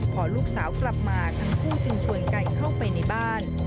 พอลูกสาวกลับมาทั้งคู่จึงชวนกันเข้าไปในบ้าน